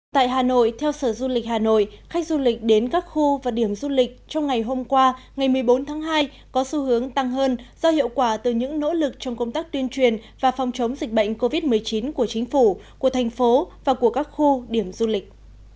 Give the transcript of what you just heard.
tại hà nội theo sở du lịch hà nội khách du lịch đến các khu và điểm du lịch trong ngày hôm qua ngày một mươi bốn tháng hai có xu hướng tăng hơn do hiệu quả từ những nỗ lực trong công tác tuyên truyền và phòng chống dịch bệnh covid một mươi chín của chính phủ của thành phố và của các khu điểm du lịch